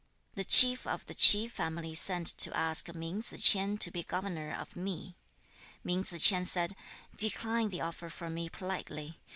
The chief of the Chi family sent to ask Min Tsze ch'ien to be governor of Pi. Min Tsze ch'ien said, 'Decline the offer for me politely.